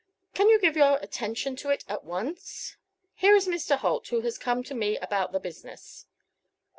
Can you give your attention to it at once? Here is Mr. Holt, who has come to me about the business."